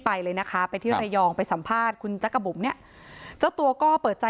ไปเลยนะคะไปที่ระยองไปสัมภาษณ์คุณจักรบุ๋มเนี่ยเจ้าตัวก็เปิดใจ